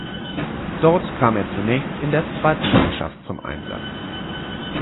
Dort kam er zunächst in der zweiten Mannschaft zum Einsatz.